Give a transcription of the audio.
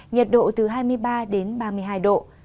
nhiệt độ từ hai mươi ba đến ba mươi hai độ